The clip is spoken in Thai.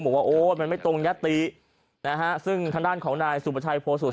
บอกว่าโอ้มันไม่ตรงยะตีซึ่งคันด้านของนายสุปชัยโพสุทธิ์